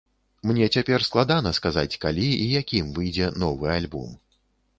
Мне цяпер складана сказаць, калі і якім выйдзе новы альбом.